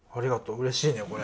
うれしいねこれ。